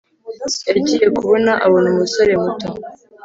yagiye kubona abona umusore muto